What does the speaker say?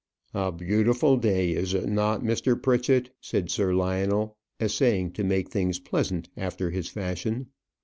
"A beautiful day, is it not, Mr. Pritchett?" said Sir Lionel, essaying to make things pleasant, after his fashion.